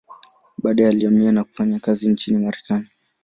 Baadaye alihamia na kufanya kazi nchini Marekani.